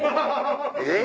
えっ？